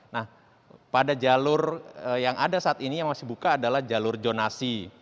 nah pada jalur yang ada saat ini yang masih buka adalah jalur zonasi